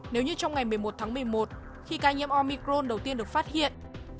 nếu như trong ngày một mươi một tháng một mươi một khi ca nhiễm omicron đầu tiên được phát hiện